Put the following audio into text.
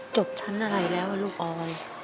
จบชั้นอะไรแล้วลูกออย